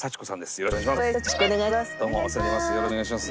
よろしくお願いします。